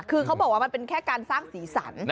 คือเขาบอกว่ามันเป็นแค่การสร้างสีสัน